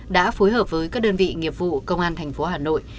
đã phối hợp với các đơn vị nghiệp vụ công an thành phố hà nội